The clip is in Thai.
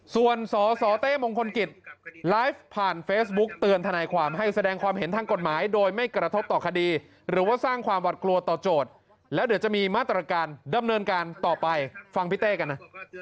ส่วนสสเต้มงคลกิจไลฟ์ผ่านเฟซบุ๊กเตือนธนายความให้แสดงความเห็นทางกฎหมายโดยไม่กระทบต่อคดีหรือว่าสร้างความหวัดกลัวต่อโจทย์แล้วเดี๋ยวจะมีมาตรการดำเนินการต่อไปฟังพี่เต้กันนะ